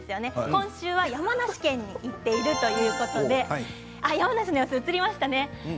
今週は山梨県に行っているということで山梨の様子が映りました。